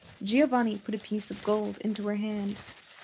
Giovanni put a piece of gold into her hand.